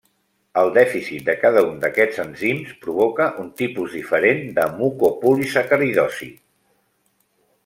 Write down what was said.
El dèficit de cada un d'aquests enzims provoca un tipus diferent de mucopolisacaridosis.